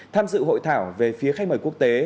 tham dự hội thảo về phía khách mời quốc tế